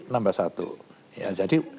nambah satu ya jadi